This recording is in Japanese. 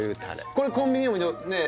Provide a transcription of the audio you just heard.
これコンビニでもねえ